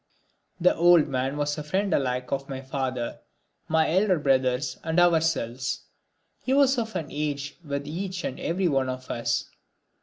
This old man was the friend alike of my father, my elder brothers and ourselves. He was of an age with each and every one of us.